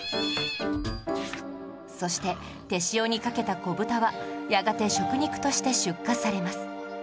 そして手塩にかけた子豚はやがて食肉として出荷されます